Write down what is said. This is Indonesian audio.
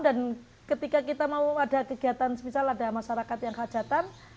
dan ketika kita mau ada kegiatan misal ada masyarakat yang kehajatan